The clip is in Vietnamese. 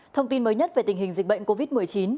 thông tin mới nhất về tình hình dịch bệnh covid một mươi chín